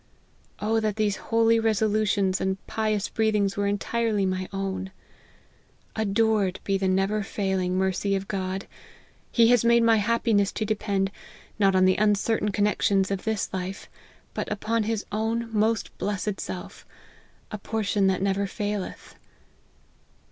O that these holy reso lutions and pious breathings were entirely my own ! Adored be the never failing mercy of God ! He has made my happiness to depend, not on the un certain connexions of this life, but upon his own most blessed self, a portion that never faileth.